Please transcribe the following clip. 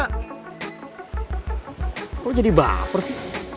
kok jadi baper sih